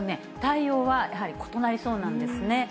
対応はやはり異なりそうなんですね。